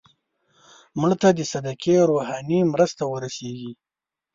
مړه ته د صدقې روحاني مرسته ورسېږي